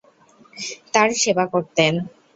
তার সেবা করতেন।